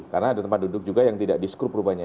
karena ada tempat duduk juga yang tidak diskrup rupanya